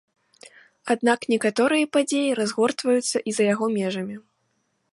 Аднак некаторыя падзеі разгортваюцца і за яго межамі.